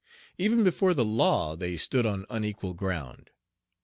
Even before the law they stood on unequal ground.